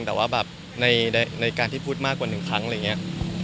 แต่ว่าแบบในการที่พูดมากกว่า๑ครั้งอะไรอย่างนี้